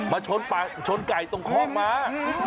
มาชนไก่ตรงคล่องม้า